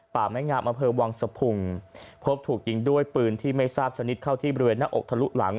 แม่งามอำเภอวังสะพุงพบถูกยิงด้วยปืนที่ไม่ทราบชนิดเข้าที่บริเวณหน้าอกทะลุหลัง